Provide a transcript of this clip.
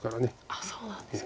あっそうなんですか。